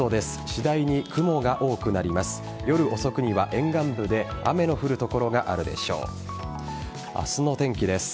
次第に雲が多くなります。